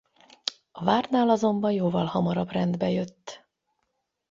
A vártnál azonban jóval hamarabb rendbe jött.